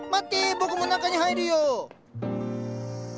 僕も中に入るよ！